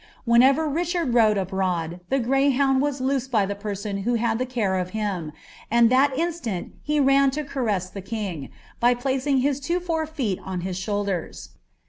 Whenever Hichard rode abftMd, tkt greyhound was loosed by the person who had the care irf him. sail Aat iiiHlant he ran to caress the king, by pUcing his two fate fcM on Ut ehoulilers.